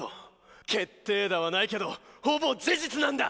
決定打はないけどほぼ事実なんだ！